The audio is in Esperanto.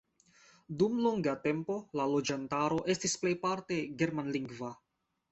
Dum longa tempo la loĝantaro estis plejparte germanlingva.